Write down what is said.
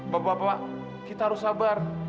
bapak bapak kita harus sabar